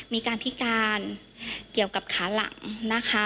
มีการพิการเกี่ยวกับขาหลังนะคะ